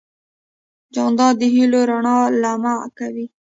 جانداد د هېلو رڼا لمع کوي.